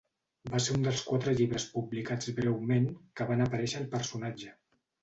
Va ser un dels quatre llibres publicats breument que van aparèixer al personatge.